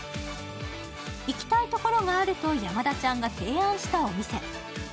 行きたいところがあると、山田ちゃんが提案したお店。